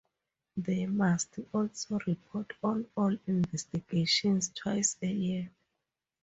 They must also report on all investigations twice a year.